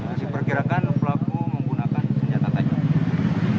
masih diperkirakan pelaku menggunakan senjata tajam